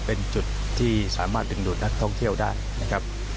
เป็นจุดที่สามารถดึงดูดนักท่องเที่ยวได้นะครับ